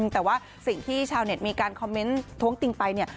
แต่ว่าสิ่งที่ชาวเน็ตมีการคอมเมนต์ท้วงติงไปเนี่ย